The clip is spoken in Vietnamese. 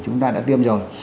chúng ta đã tiêm rồi